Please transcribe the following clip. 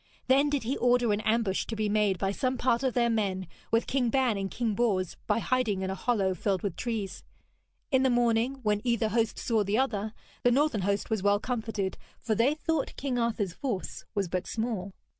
Then did he order an ambush to be made by some part of their men, with King Ban and King Bors, by hiding in a hollow filled with trees. In the morning, when either host saw the other, the northern host was well comforted, for they thought King Arthur's force was but small.